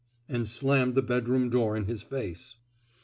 '^ and slammed the bedroom door in his face.